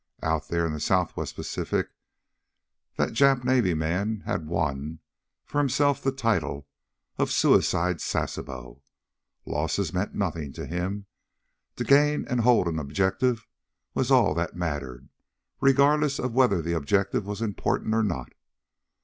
Out there in the Southwest Pacific that Jap Navy man had "won" for himself the title of "Suicide" Sasebo. Losses meant nothing to him. To gain and hold an objective was all that mattered, regardless of whether the objective was important or not.